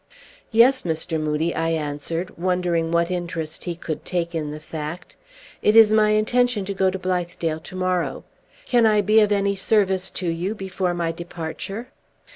"Yes, Mr. Moodie," I answered, wondering what interest he could take in the fact, "it is my intention to go to Blithedale to morrow. Can I be of any service to you before my departure?"